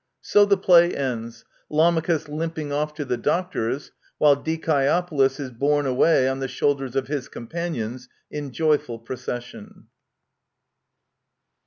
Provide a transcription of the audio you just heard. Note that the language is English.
So the play ends, Lamachus limping off to the doctor's, while Dicaeopolis is borne away on the shoulders of his companions in joyful procession..